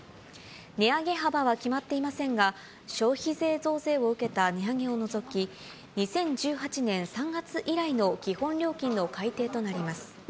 値上げ幅は決まっていませんが、消費税増税を受けた値上げを除き、２０１８年３月以来の基本料金の改定となります。